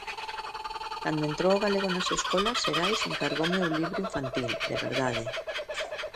Cando entrou o galego nas escolas, Xerais encargoume un libro infantil, de verdade.